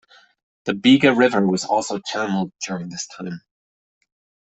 The Bega river was also channelled during this time.